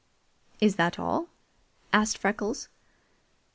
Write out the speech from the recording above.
"Is that all?" asked Freckles.